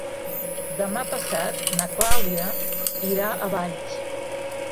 Demà passat na Clàudia irà a Valls.